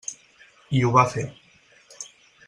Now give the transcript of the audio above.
I ho va fer.